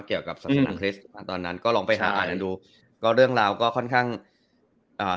เกี่ยวกับศาสนคริสต์อ่าตอนนั้นก็ลองไปหาอ่านกันดูก็เรื่องราวก็ค่อนข้างอ่า